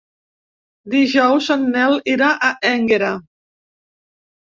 Dijous en Nel irà a Énguera.